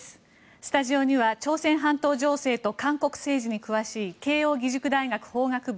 スタジオには朝鮮半島情勢と韓国政治に詳しい慶應義塾大学法学部